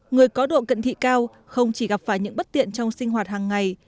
người có độ cận thị cao không chỉ gặp phải những bất tiện trong sinh hoạt hàng ngày